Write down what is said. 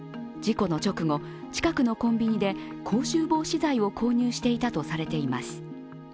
事故の直後、近くのコンビニで口臭防止剤を購入していたとされています。